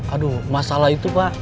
aduh masalah itu pak